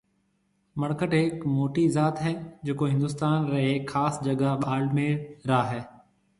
مڙکٽ هڪ موٽي ذات هيَ جيڪو هندوستان رِي هڪ کاس جگا ٻاݪميڙ را هيَ۔